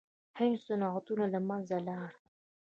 هندي صنعتونه له منځه لاړل.